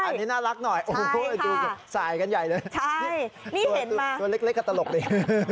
อันนี้น่ารักหน่อยดูสายกันใหญ่เลยตัวเล็กกับตลกเลย